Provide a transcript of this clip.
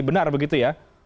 benar begitu ya